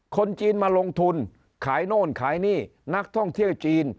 คนจีนมาลงทุนขายโน่นขายนี่นักท่องเที่ยวจีน